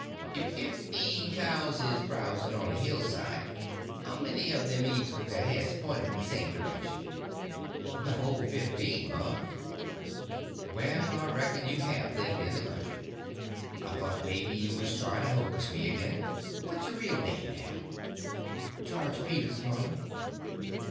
"If fifteen cows is browsing on a hillside, how many of them eats with their heads pointed the same direction?" "The whole fifteen, mum." "Well, I reckon you have lived in the country. I thought maybe you was trying to hocus me again. What's your real name, now?" "George Peters, mum."